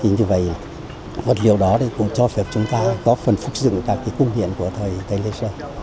như vậy vật liệu đó cũng cho phép chúng ta có phần phúc dựng các cung điện của thời lê sơ